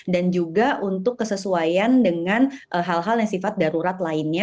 dan juga untuk kesesuaian dengan hal hal yang sifat darurat lainnya